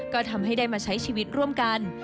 ก็ทำให้ได้มาใช้ชีวิตร่วมกัน